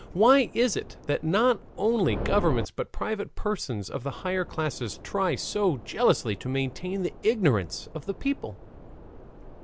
Why is it that not only governments but private persons of the higher classes, try so jealously to maintain the ignorance of the people?